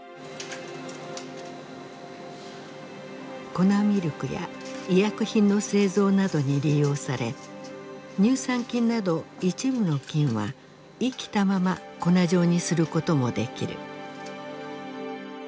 粉ミルクや医薬品の製造などに利用され乳酸菌など一部の菌は生きたまま粉状にすることもできる。